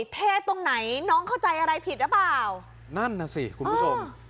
เทศตรงไหนน้องเข้าใจอะไรผิดหรือเปล่านั่นน่ะสิคุณผู้ชม